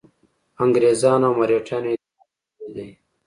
انګرېزانو او مرهټیانو اتحاد ضروري دی.